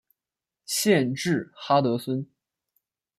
县治哈得逊。